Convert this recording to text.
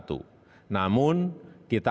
pertimbangan aspek kesehatan harus dihitung secara cermat